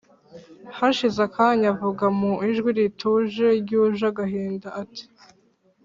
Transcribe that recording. hashize akanya avuga mu ijwi rituje ryuje agahinda ati: